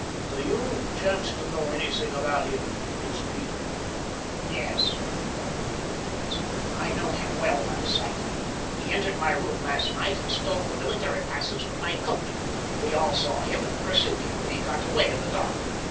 Do you chance to know anything about him, Prince Peter?" "Yes," replied Peter of Blentz, "I know him well by sight. He entered my room last night and stole the military passes from my coat—we all saw him and pursued him, but he got away in the dark.